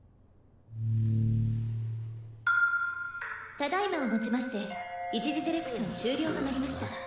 「ただ今をもちまして一次セレクション終了となりました」